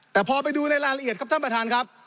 แต่พอไปดูในรายละเอียดครับท่านประธานครับ